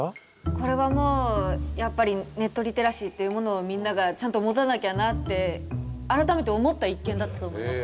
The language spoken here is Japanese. これはもうやっぱりネットリテラシーというものをみんながちゃんと持たなきゃなって改めて思った一件だったと思います